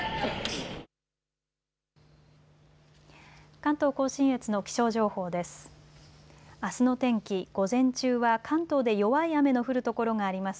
関東甲信越の気象情報です。